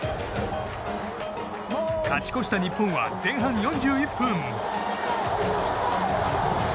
勝ち越した日本は、前半４１分。